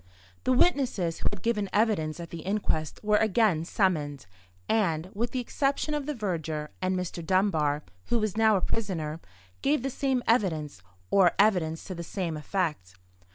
The witnesses who had given evidence at the inquest were again summoned, and—with the exception of the verger, and Mr. Dunbar, who was now a prisoner—gave the same evidence, or evidence to the same effect.